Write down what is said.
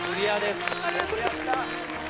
ありがとうございます。